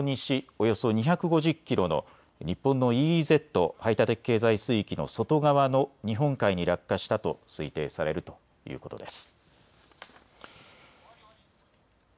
およそ２５０キロの日本のＥＥＺ・排他的経済水域の外側の日本海に落下したと推定されるということです。